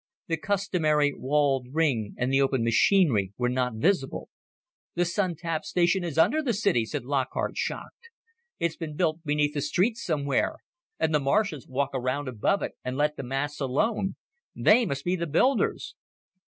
The customary walled ring and the open machinery were not visible. "The Sun tap station is under the city!" said Lockhart, shocked. "It's been built beneath the streets somewhere, and the Martians walk around above it and let the masts alone! They must be the builders!"